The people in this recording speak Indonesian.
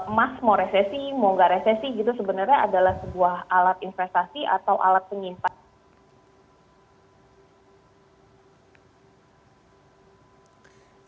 emas mau resesi mau nggak resesi gitu sebenarnya adalah sebuah alat investasi atau alat penyimpanan